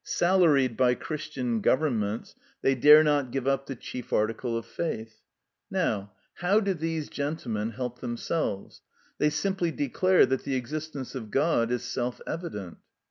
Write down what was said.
Salaried by Christian governments, they dare not give up the chief article of faith.(9) Now, how do these gentlemen help themselves? They simply declare that the existence of God is self evident.